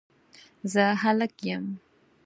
زه هلک یم